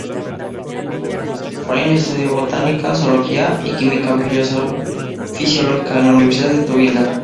Frey estudió Botánica, Zoología y Química fisiológica en la Universidad de Tubinga.